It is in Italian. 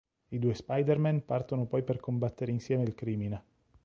I due Spiderman partono poi per combattere insieme il crimine.